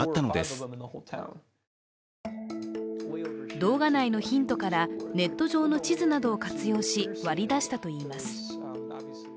動画内のヒントからネット上の地図などを活用し割り出したといいます。